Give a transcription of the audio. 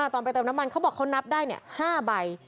ตอนไปเติมน้ำมันเขาบอกเขานับได้๕ใบ